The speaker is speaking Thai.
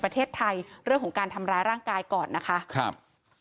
ประเทศไทยเรื่องของการทำร้ายร่างกายก่อนนะคะครับ